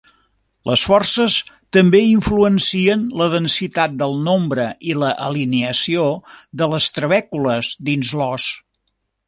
Les forces també influencien la densitat del nombre i la alineació de les trabècules dins l'os.